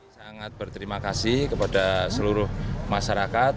sangat berterima kasih kepada seluruh masyarakat